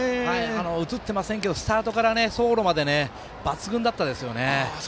映っていませんけどスタートから走路まで抜群だったんですね。